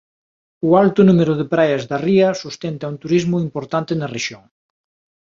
O alto número de praias da ría sustenta un turismo importante na rexión.